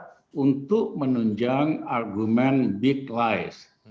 satu menggunakan data untuk menunjang argumen big lies